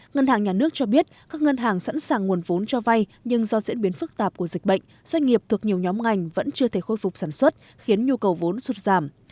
ngân hàng nhà nước cho biết các ngân hàng sẵn sàng nguồn vốn cho vay nhưng do diễn biến phức tạp của dịch bệnh doanh nghiệp thuộc nhiều nhóm ngành vẫn chưa thể khôi phục sản xuất khiến nhu cầu vốn sụt giảm